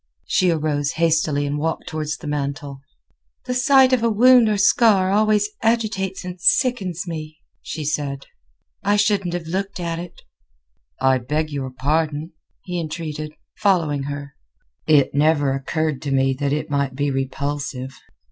She arose hastily and walked toward the mantel. "The sight of a wound or scar always agitates and sickens me," she said. "I shouldn't have looked at it." "I beg your pardon," he entreated, following her; "it never occurred to me that it might be repulsive."